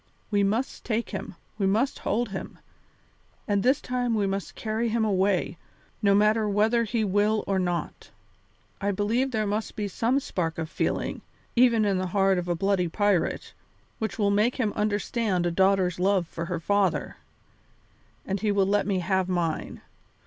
We must take him, we must hold him, and this time we must carry him away, no matter whether he will or not. I believe there must be some spark of feeling, even in the heart of a bloody pirate, which will make him understand a daughter's love for her father, and he will let me have mine.